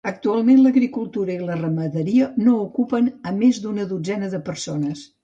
Actualment l'agricultura i la ramaderia no ocupen a més d'una dotzena de persones.